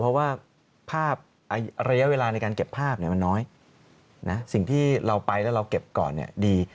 เพราะว่าภาพระยะเวลาในการเก็บภาพมันน้อยสิ่งที่เราไปแล้วเราเก็บก่อนดี